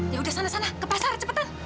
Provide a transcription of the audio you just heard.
ya udah sana sana ke pasar cepetan